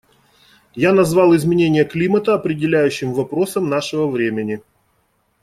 Я назвал изменение климата определяющим вопросом нашего времени.